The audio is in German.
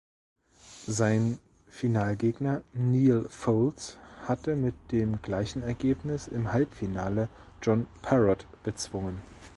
Sein Finalgegner Neal Foulds hatte mit dem gleichen Ergebnis im Halbfinale John Parrott bezwungen.